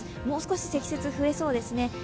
もう少し積雪、増えそうですね。